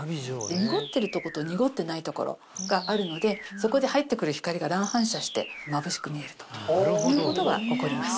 濁ってるとこと濁ってないところがあるのでそこで入ってくる光が乱反射してまぶしく見えるということが起こります